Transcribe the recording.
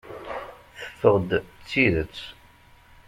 Teffeɣ-d d tidet.